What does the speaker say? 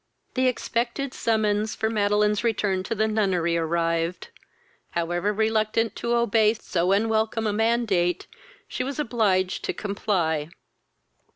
The expected summons for Madeline's return to the nunnery arrived. However reluctant to obey so unwelcome a mandate, she was obliged to comply.